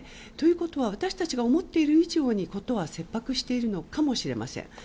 ということは私たちが思っている以上に事は切迫しているのかもしれません。